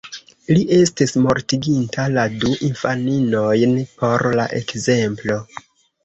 Li estis mortiginta la du infaninojn por la ekzemplo.